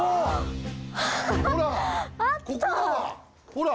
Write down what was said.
ほら。